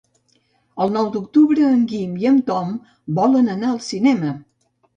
El nou d'octubre en Guim i en Tom volen anar al cinema.